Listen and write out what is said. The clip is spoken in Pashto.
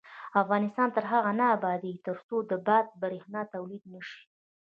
افغانستان تر هغو نه ابادیږي، ترڅو د باد بریښنا تولید نشي.